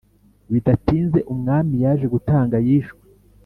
Bidatinze, Umwami yaje gutanga yishwe